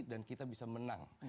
dan kita bisa menang